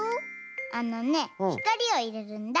あのねひかりをいれるんだ。